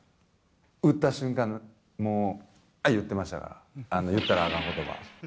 打った瞬間にもう、あー言うてましたから、あの言ったらあかんことば。